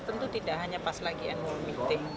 tentu tidak hanya pas lagi annual meeting